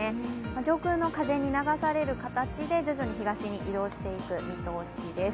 上空の風に流される形で徐々に東に移動していく見通しです。